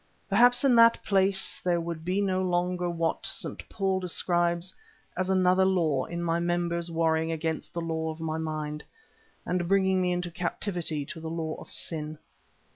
Perhaps in that place there would be no longer what St. Paul describes as another law in my members warring against the law of my mind, and bringing me into captivity to the law of sin.